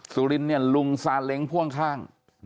สุรินเนี่ยลุงซาเล้งพ่วงข้าง